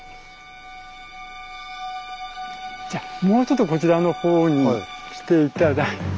じゃもうちょっとこちらのほうに来て頂いて。